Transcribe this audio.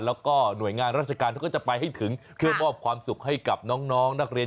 แล้วก็หน่วยงานราชการเขาก็จะไปให้ถึงเพื่อมอบความสุขให้กับน้องนักเรียน